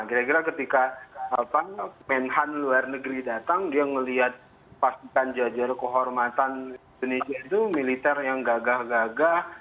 kira kira ketika menhan luar negeri datang dia melihat pasukan jajar kehormatan indonesia itu militer yang gagah gagah